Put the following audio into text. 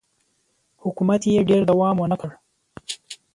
حکومت یې ډېر دوام ونه کړ